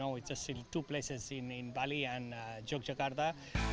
ini hanya dua tempat di bali dan yogyakarta